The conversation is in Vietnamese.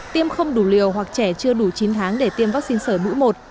tiêm không đủ liều hoặc trẻ chưa đủ chín tháng để tiêm vaccine sởi mũi một